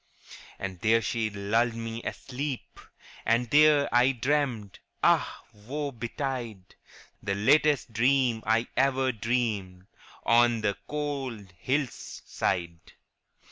' And there we slumbered on the moss, And there I dreamed, ah woe betide, The latest dream I ever dreamed On the cold hill side.